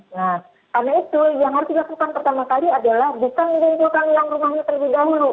nah karena itu yang harus dilakukan pertama kali adalah bukan mengumpulkan yang rumahnya terlebih dahulu